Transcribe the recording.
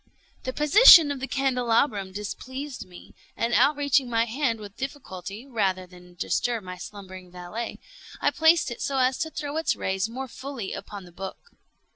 The position of the candelabrum displeased me, and outreaching my hand with difficulty, rather than disturb my slumbering valet, I placed it so as to throw its rays more fully upon the book.